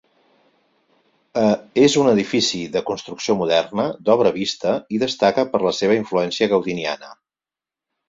És un edifici de construcció moderna, d'obra vista i destaca per la seva influència gaudiniana.